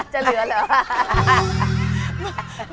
จะเหลือแล้ว